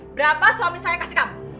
berapa suami saya kasih kamu